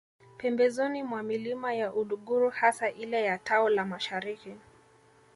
Pembezoni mwa Milima ya Uluguru hasa ile ya Tao la Mashariki